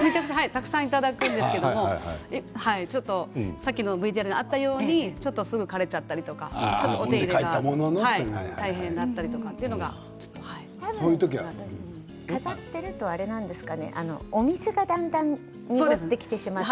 たくさんもらうんですけれどもさっきのＶＴＲにあったようにすぐに枯れちゃったりとか飾っているとあれなんですかね、お水がだんだん濁ってきてしまって。